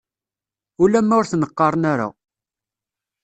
Ulamma ur ten-qqaren ara.